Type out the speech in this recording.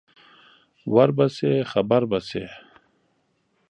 ور به شې خبر به شې